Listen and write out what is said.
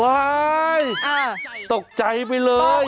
วัยยยยยยอืมตกใจไปเลย